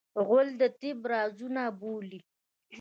غول د طب رازونه بولي.